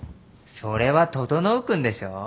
それは整君でしょ。